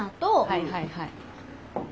はいはいはい。